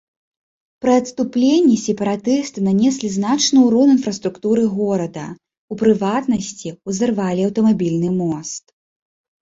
Пры адступленні сепаратысты нанеслі значны ўрон інфраструктуры горада, у прыватнасці, узарвалі аўтамабільны мост.